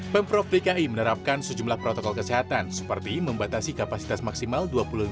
pemprov dki menerapkan sejumlah protokol kesehatan seperti membatasi kapasitas maksimal